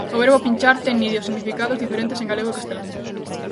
O verbo "pinchar" ten nidios significados diferentes en galego e castelán.